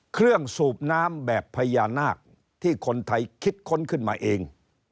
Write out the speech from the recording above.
สูบน้ำแบบพญานาคที่คนไทยคิดค้นขึ้นมาเอง